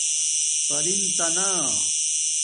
پرنتانہ